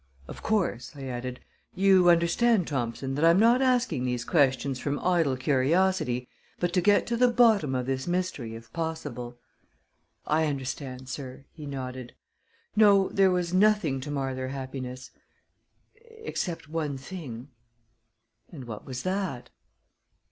Of course," I added, "you understand, Thompson, that I'm not asking these questions from idle curiosity, but to get to the bottom of this mystery, if possible." "I understand, sir," he nodded. "No, there was nothing to mar their happiness except one thing." "And what was that?"